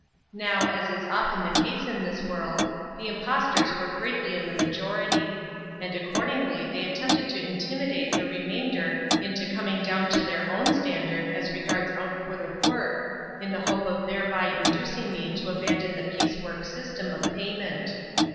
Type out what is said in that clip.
Now, as is often the case in this world, the impostors were greatly in the majority; and accordingly they attempted to intimidate the remainder into coming down to their own standard as regards output of work, in the hope of thereby inducing me to abandon the piece work system of payment.